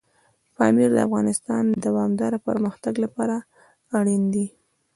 پامیر د افغانستان د دوامداره پرمختګ لپاره اړین دي.